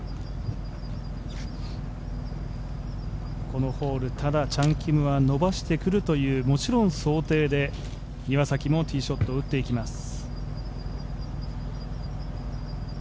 このホール、ただチャン・キムは伸ばしてくるというもちろん想定で、岩崎もティーショットを打っていきます。